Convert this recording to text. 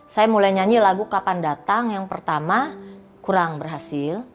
saya mulai nyanyi lagu kapan datang yang pertama kurang berhasil